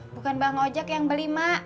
bukan bang ojak yang beli mak